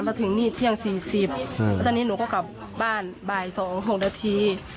มาถึงนี่เที่ยง๔๐แล้วตอนนี้หนูก็กลับบ้านบ่าย๒๖นาที